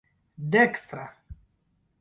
dekstra